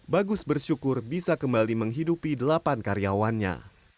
bagus bersyukur bisa kembali menghidupi delapan karyawannya